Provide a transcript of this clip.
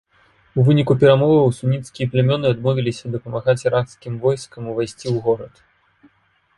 У выніку перамоваў суніцкія плямёны адмовіліся дапамагаць іракскім войскам увайсці ў горад.